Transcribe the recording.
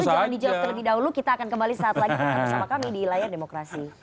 jangan dijawab terlebih dahulu kita akan kembali lagi bersama kami di layar demokrasi